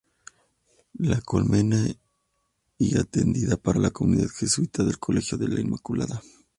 La Colmena, y atendida por la Comunidad Jesuita del Colegio de la Inmaculada.